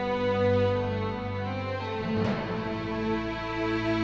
kalau kita moetuk